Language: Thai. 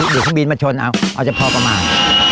เดี๋ยวคุณบีนมาชนเอาจะพอประมาณ